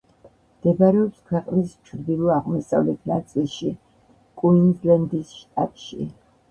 მდებარეობს ქვეყნის ჩრდილო-აღმოსავლეთ ნაწილში, კუინზლენდის შტატში.